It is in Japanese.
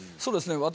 そうですね